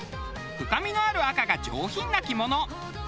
深みのある赤が上品な着物。